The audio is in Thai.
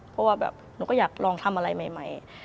เพราะว่าแบบหนูก็อยากลองทำอะไรใหม่